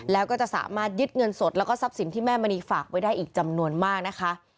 แล้วก็จะสามารถยึดเงินสดแล้วก็ทรัพย์สินที่แม่มณีฝากไว้ได้อีกจำนวนมากนะคะ